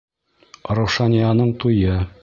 Раушанияның туйы!